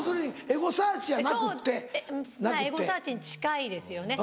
エゴサーチに近いですよね。